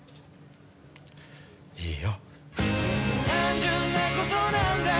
いいよ。